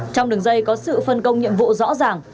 trong đường dây có sự phân công nhiệm vụ rõ ràng